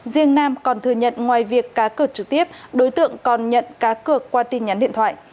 riêng nam còn thừa nhận ngoài việc cá cược trực tiếp đối tượng còn nhận cá cược qua tin nhắn điện thoại